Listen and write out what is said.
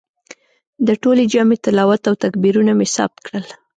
د ټولې جمعې تلاوت او تکبیرونه مې ثبت کړل.